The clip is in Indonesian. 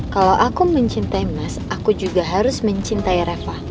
kalau aku mencintai mas aku juga harus mencintai rafa